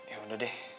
ya udah deh